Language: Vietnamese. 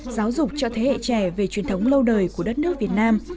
giáo dục cho thế hệ trẻ về truyền thống lâu đời của đất nước việt nam